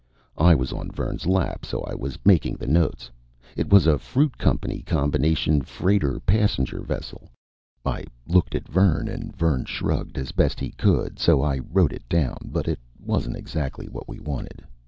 I was on Vern's lap, so I was making the notes. It was a Fruit Company combination freighter passenger vessel. I looked at Vern, and Vern shrugged as best he could, so I wrote it down; but it wasn't exactly what we wanted.